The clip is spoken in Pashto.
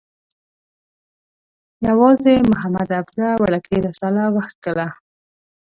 یوازې محمد عبده وړکۍ رساله وکښله.